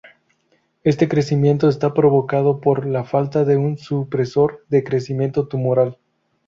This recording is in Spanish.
Este crecimiento está provocado por la falta de un "supresor" de crecimiento tumoral.